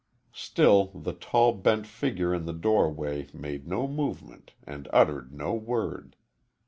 Still the tall bent figure in the doorway made no movement and uttered no word.